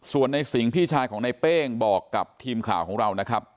ส่วนในสิงห์พี่ชายของในเป้งบอกกับทีมข่าวของเรานะครับ